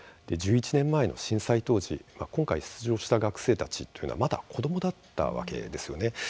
１１年前の震災当時、今回出場した学生たちはまだ子どもだったわけですよね。